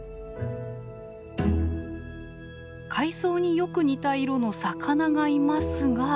海藻によく似た色の魚がいますが。